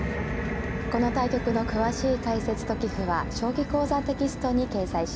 この対局の詳しい解説と棋譜は「将棋講座」テキストに掲載します。